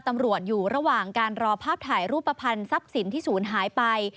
ตำรวจอยู่ระหว่างการรอภาพถ่ายรูปภัณฑ์ทรัพย์สินที่ศูนย์หายไป